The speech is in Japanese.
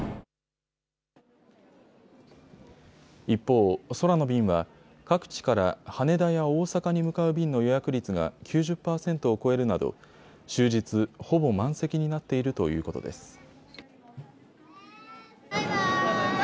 一方、空の便は各地から羽田や大阪に向かう便の予約率が９０％を超えるなど終日ほぼ満席になっているということです。